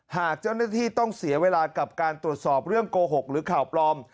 หากเจ้าหน้าที่ต้องเสียเวลากับการตรวจสอบเรื่องโกหกหรือข่าวปลอม